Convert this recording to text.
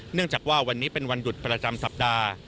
เนื่องจากว่าวันนี้เป็นวันหยุดประจำสัปดาห์